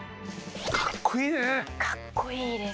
かっこいいね！